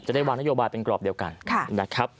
จะได้วางนโยบายเป็นกรอบเดียวกัน